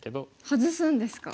ハズすんですか。